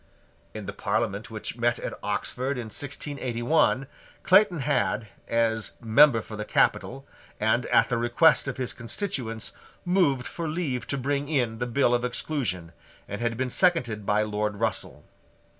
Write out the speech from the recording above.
In the Parliament which met at Oxford in 1681, Clayton had, as member for the capital, and at the request of his constituents, moved for leave to bring in the Bill of Exclusion, and had been seconded by Lord Russell.